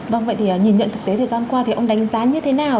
vâng vậy thì nhìn nhận thực tế thời gian qua thì ông đánh giá như thế nào